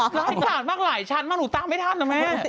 ร้ายขาดมากหลายชั้นมากหนูตั้งไม่ทันนะแม่